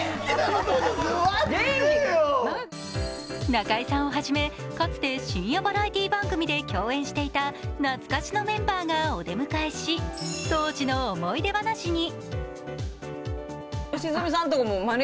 中居さんをはじめかつて深夜バラエティー番組で共演していた懐かしのメンバーがお出迎えし当時の思い出話に。